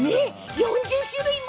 ４０種類も。